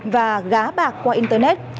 và gá bạc qua internet